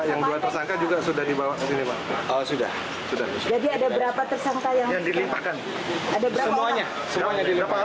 yang belum ditetapkan